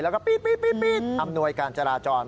แล้วก็ปี๊ดอำนวยการจราจร